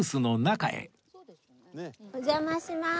お邪魔します。